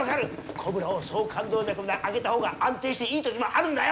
コブラを総肝動脈まで上げた方が安定していいときもあるんだよ！